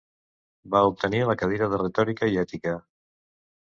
Va obtenir la cadira de retòrica i ètica.